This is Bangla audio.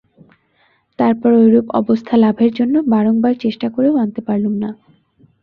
তারপর ঐরূপ অবস্থালাভের জন্য বারংবার চেষ্টা করেও আনতে পারলুম না।